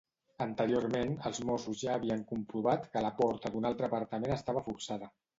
Anteriorment, els Mossos ja havien comprovat que la porta d'un altre apartament estava forçada.